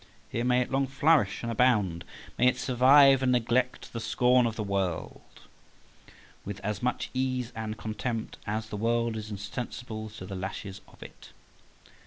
Here may it long flourish and abound; may it survive and neglect the scorn of the world with as much ease and contempt as the world is insensible to the lashes of it.